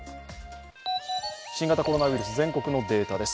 新型コロナウイルス、全国のデータです。